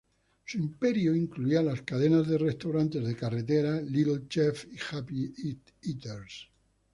Su imperio incluía las cadenas de restaurantes de carretera "Little Chef" y "Happy Eaters".